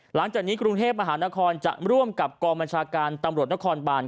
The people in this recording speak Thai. หลังจากนี้กรุงเทพมหานครจะร่วมกับกองบัญชาการตำรวจนครบาน